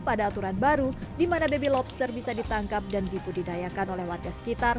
pada aturan baru di mana baby lobster bisa ditangkap dan dipudidayakan oleh warga sekitar